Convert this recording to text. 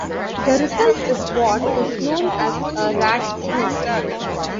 The result is what is known as a rat's nest.